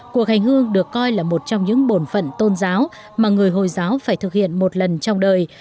cuộc hành hương được coi là một trong những bổn phận tôn giáo mà người hồi giáo phải thực hiện một lần trong đời